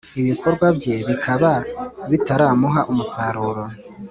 ibikorwa bye bikaba bitaramuha umusaruro,